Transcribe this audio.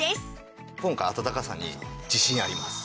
今回暖かさに自信あります。